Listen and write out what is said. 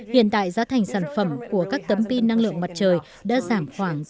hiện tại giá thành sản phẩm của các tấm pin năng lượng mặt trời đã giảm khoảng sáu mươi